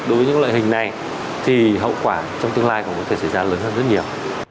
đối với những loại hình này thì hậu quả trong tương lai cũng có thể xảy ra lớn hơn rất nhiều